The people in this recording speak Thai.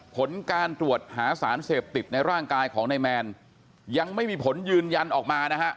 ผลการตรวจหาสารเสพติดในร่างกายของนายแมนยังไม่มีผลยืนยันออกมานะฮะ